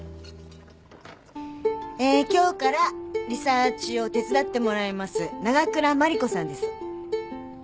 えー今日からリサーチを手伝ってもらいます長倉万理子さんです。